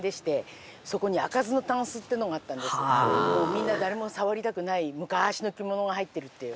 みんな誰も触りたくない昔の着物が入ってるっていう。